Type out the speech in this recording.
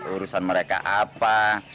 urusan mereka apa